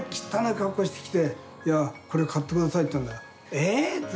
えー？って。